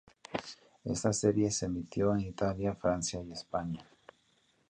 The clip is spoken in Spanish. Esta serie se emitió en Italia, Francia y España.